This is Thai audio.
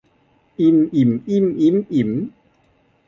อิม อิ่ม อิ้ม อิ๊ม อิ๋ม